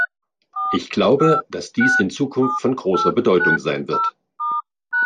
Ich glaube, dass dies in Zukunft von großer Bedeutung sein wird.